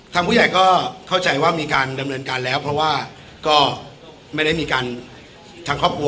ทางผู้ใหญ่ก็เข้าใจว่ามีการดำเนินการแล้วเพราะว่าก็ไม่ได้มีการทางครอบครัว